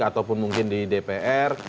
ataupun mungkin di dpr